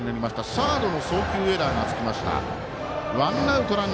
サードの送球エラーがつきました。